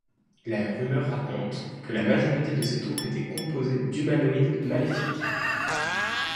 La rumeur raconte que la majorité de ses troupes était composée d'humanoïdes maléfiques.